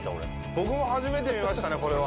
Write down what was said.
僕も初めて見ましたね、これは。